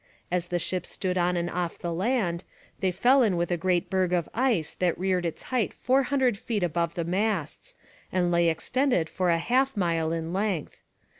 As the ships stood on and off the land, they fell in with a great berg of ice that reared its height four hundred feet above the masts, and lay extended for a half mile in length.